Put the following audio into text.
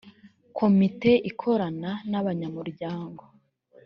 komite ikorana nabanyamuryango.